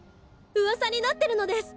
うわさになってるのです。